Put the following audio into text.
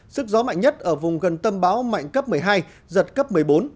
sức gió mạnh nhất ở vùng gần tâm báo mạnh cấp một mươi hai giật cấp một mươi bốn một mươi năm